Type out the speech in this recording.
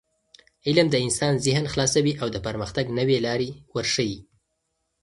علم د انسان ذهن خلاصوي او د پرمختګ نوې لارې ورښيي.